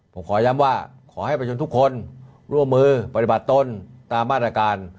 ผมขอย้ำว่าขอให้ประชนทุกคนร่วมมือปฏิบัติตนตามมาตรการ